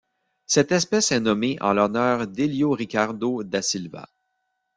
Cette espèce est nommée en l'honneur d'Hélio Ricardo da Silva.